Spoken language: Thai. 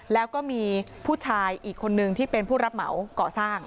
แล้วก็มีผู้ชายอีกคนนึงที่เป็นผู้รับเหมาก่อสร้าง